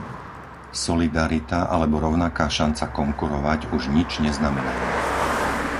Solidarita alebo rovnaká šanca konkurovať už nič neznamenajú.